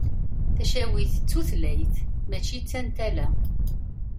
Tacawit d tutlayt mačči d tantala.